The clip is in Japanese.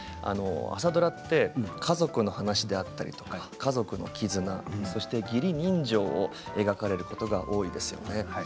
朝ドラって家族の話であったり家族の絆、そして義理人情を描かれることが多いですよね。